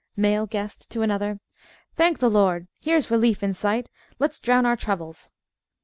_) MALE GUEST (to another) Thank the Lord! here's relief in sight. Let's drown our troubles.